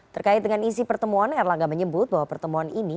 terkait dengan isi pertemuan erlangga menyebut bahwa pertemuan ini